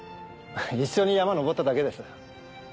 一緒に山登っただけです。